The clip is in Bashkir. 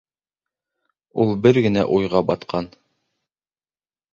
Ул бер генә уйға ғына батҡан.